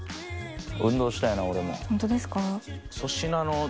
ホントですか？